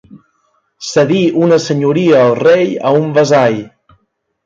Cedir una senyoria el rei a un vassall.